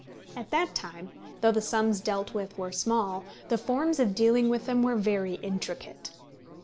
At that time, though the sums dealt with were small, the forms of dealing with them were very intricate.